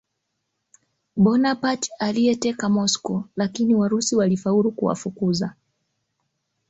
Bonaparte aliyeteka Moscow lakini Warusi walifaulu kuwafukuza